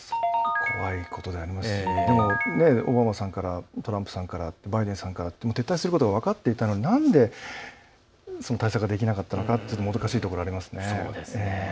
怖いことですしでも、オバマさんからトランプさんからバイデンさんから撤退することが分かっていたのになんで対策ができなかったっていうもどかしいところがありますね。